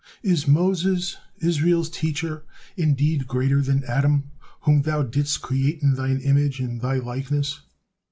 Is Moses, Israel's teacher, indeed greater than Adam whom thou didst create in Thine image and Thy likeness?